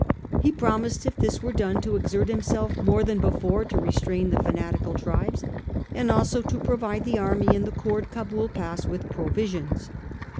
He promised if this were done to exert himself more than before to restrain the fanatical tribes, and also to provide the army in the Koord Cabul Pass with provisions.